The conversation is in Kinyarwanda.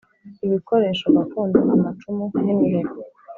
ibikoresho gakondo amacumu n imiheto